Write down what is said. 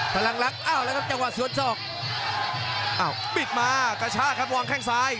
พลังลักษณ์อ้าวแล้วครับจังหวะสวนศอกอ้าวปิดมากระชากครับวางแข้งซ้าย